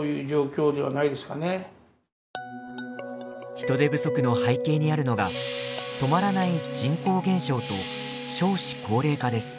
人手不足の背景にあるのが止まらない人口減少と少子高齢化です。